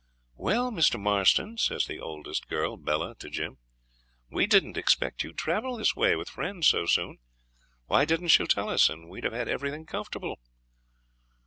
'Well, Mr. Marston,' says the eldest girl, Bella, to Jim, 'we didn't expect you'd travel this way with friends so soon. Why didn't you tell us, and we'd have had everything comfortable?'